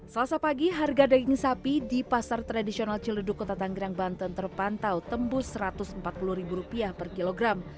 selasa pagi harga daging sapi di pasar tradisional ciledug kota tanggerang banten terpantau tembus rp satu ratus empat puluh per kilogram